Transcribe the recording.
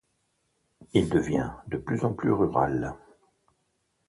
Il devient de plus en plus rural.